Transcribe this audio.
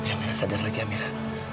amira sadar lagi amira